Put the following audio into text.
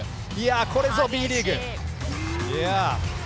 これぞＢリーグ。